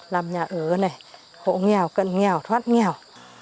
làm nhà ở này hộ nghèo cận nghèo thoát nghèo